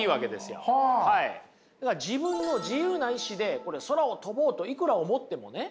だから自分の自由な意思でこれ空を飛ぼうといくら思ってもね